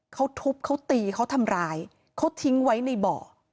เขาทุบเขาตีเขาทำร้ายเขาทิ้งไว้ในบ่อ